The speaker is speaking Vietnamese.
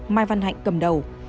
mai văn hạnh cầm đầu